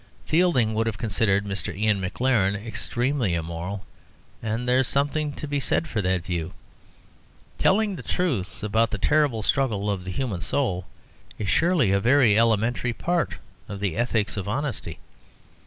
Fielding would have considered Mr. Ian Maclaren extremely immoral; and there is something to be said for that view. Telling the truth about the terrible struggle of the human soul is surely a very elementary part of the ethics of honesty.